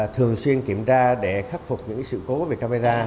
thường xuyên kiểm tra để khắc phục những sự cố về camera